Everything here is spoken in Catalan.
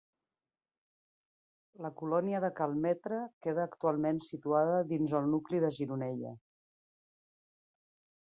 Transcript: La colònia de Cal Metre queda actualment situada dins el nucli de Gironella.